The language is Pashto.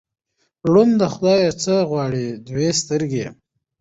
ـ ړوند له خدايه څه غواړي، دوې سترګې.